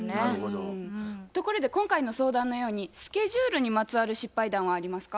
ところで今回の相談のようにスケジュールにまつわる失敗談はありますか？